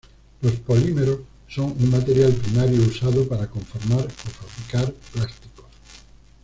Los polímeros son un material primario usado para conformar o fabricar plásticos.